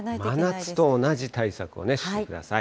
真夏と同じ対策をしてください。